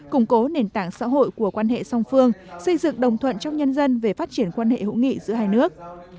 củng cố nền tảng xã hội của quan hệ song phương xây dựng đồng thuận trong nhân dân về phát triển quan hệ hữu nghị giữa hai nước